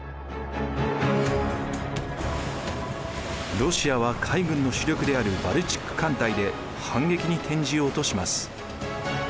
ロシアは海軍の主力であるバルチック艦隊で反撃に転じようとします。